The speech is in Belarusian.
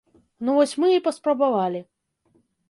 Ну вось мы і паспрабавалі.